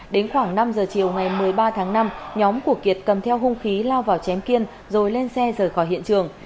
đến khoảng năm giờ chiều ngày một mươi ba tháng năm nhóm của kiệt cầm theo hung khí lao vào chém kiên rồi lên xe rời khỏi hiện trường